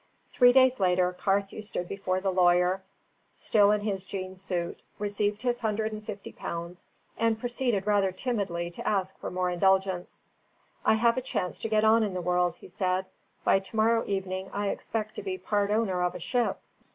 Three days later, Carthew stood before the lawyer, still in his jean suit, received his hundred and fifty pounds, and proceeded rather timidly to ask for more indulgence. "I have a chance to get on in the world," he said. "By to morrow evening I expect to be part owner of a ship."